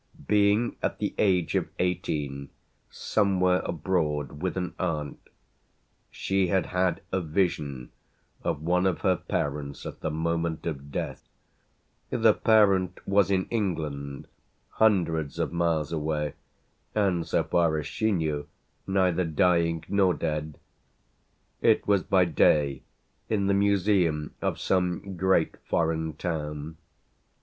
Being at the age of eighteen somewhere abroad with an aunt she had had a vision of one of her parents at the moment of death. The parent was in England, hundreds of miles away and so far as she knew neither dying nor dead. It was by day, in the museum of some great foreign town.